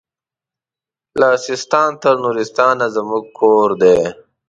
له سیستان تر نورستانه زموږ کور دی